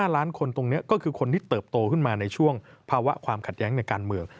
๕ล้านคนตรงนี้ก็คือคนที่เติบโตขึ้นมาในช่วงภาวะความขัดแย้งในการเมือง